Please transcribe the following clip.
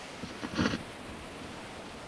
一些新的疗法也正在开发之中。